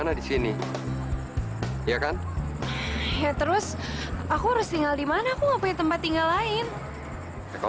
saya disini nggak dapat tidur di mana saya aku disini nggak pastik bedanya harusnya aku love kamu